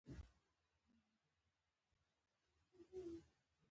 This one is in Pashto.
له نور محمد شاه یې وغوښتل چې د برټانیې استازو ټاکلو ته ځواب ورکړي.